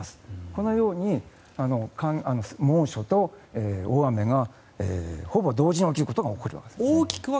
このように猛暑と大雨がほぼ同時に起きることが起こるわけです。